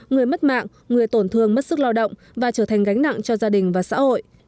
người mất mạng người tổn thương mất sức lao động và trở thành gánh nặng cho gia đình và xã hội